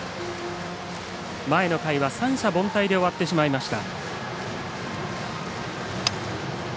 前の回は三者凡退で終わってしまいました。